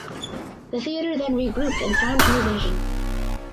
The theater then regrouped and found new vision.